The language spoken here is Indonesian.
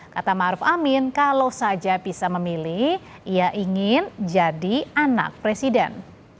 kata maruf amin kalau saja bisa memilih ia ingin jadi anak presiden